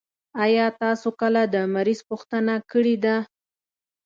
آيا تاسو کله د مريض پوښتنه کړي ده؟